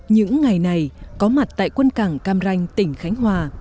những ngày này có mặt tại quân cảng cam ranh tỉnh khánh hòa